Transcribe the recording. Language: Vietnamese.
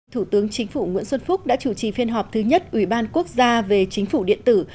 thủ tướng chính phủ nguyễn xuân phúc đã chủ trì phiên họp thứ nhất ủy ban quốc gia về chính phủ điện tử